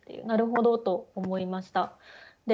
なるほどと思いました。